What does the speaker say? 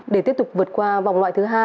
để tiếp tục vượt qua vòng loại thứ hai